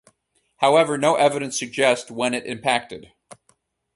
However no evidence suggests when it impacted.